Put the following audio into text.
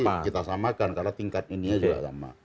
nanti kita samakan karena tingkat ini juga sama